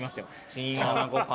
チンアナゴパン。